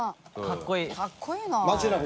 かっこいいな。